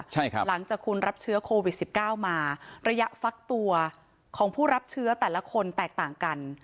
ใช่ครับหลังจากคุณรับเชื้อโควิด๑๙มาระยะฟักตัวของผู้รับเชื้อแต่ละคนแตกต่างกัน